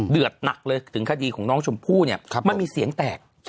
หนักเลยถึงคดีของน้องชมพู่เนี่ยมันมีเสียงแตก